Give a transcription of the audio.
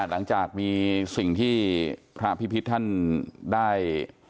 หลังจากมีสิ่งที่พระพิพิษท่านได้